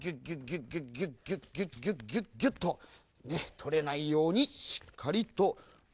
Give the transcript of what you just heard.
とれないようにしっかりとむすびます。